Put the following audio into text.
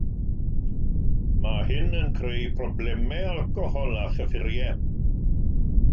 Mae hyn yn creu problemau alcohol a chyffuriau